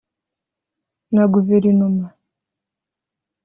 na guverinoma